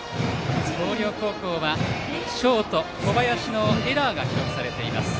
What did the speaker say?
広陵高校はショート、小林のエラーが記録されています。